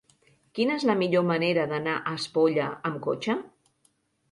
Quina és la millor manera d'anar a Espolla amb cotxe?